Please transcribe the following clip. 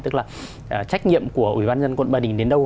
tức là trách nhiệm của ủy ban dân quận ba đình đến đâu